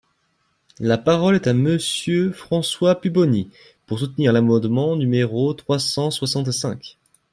La parole est à Monsieur François Pupponi, pour soutenir l’amendement numéro trois cent soixante-cinq.